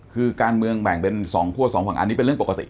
คือการเมืองแบ่งเป็น๒คั่วสองฝั่งอันนี้เป็นเรื่องปกติ